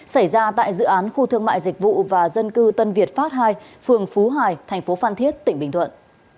xảy ra tại dự án khu thương mại dịch vụ và dân cư tân việt phát hai phường phú hải tp phan thiết tỉnh bình thuận